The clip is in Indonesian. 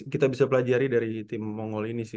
kita bisa pelajari dari tim monggol ini sih